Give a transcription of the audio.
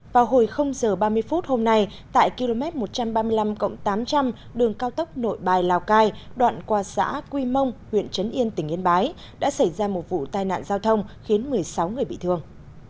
vào hồi giờ ba mươi phút hôm nay tại km một trăm ba mươi năm tám trăm linh đường cao tốc nội bài lào cai đoạn qua xã quy mông huyện trấn yên tỉnh yên bái đã xảy ra một vụ tai nạn giao thông khiến một mươi sáu người bị thương